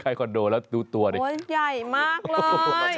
คอนโดแล้วดูตัวดิโอ้ยใหญ่มากเลย